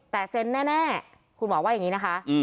แต่เซ็นแน่คุณหมอว่าอย่างนี้นะคะ